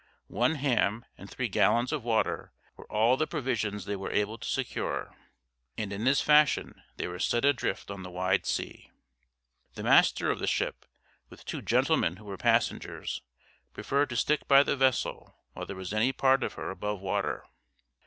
One ham and three gallons of water were all the provisions they were able to secure; and in this fashion they were set adrift on the wide sea. The master of the ship, with two gentlemen who were passengers, preferred to stick by the vessel while there was any part of her above water.